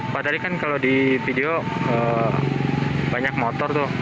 pak tadi kan kalau di video banyak motor tuh